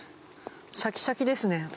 シャキシャキですね。